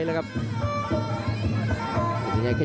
พยาบกระแทกมัดเย็บซ้าย